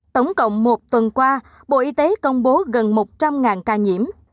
tổng cộng một tuần qua bộ y tế công bố gần một trăm linh ca nhiễm